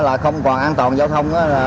là không còn an toàn giao thông